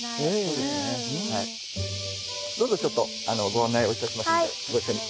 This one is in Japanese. どうぞちょっとご案内をいたしますんでご一緒に。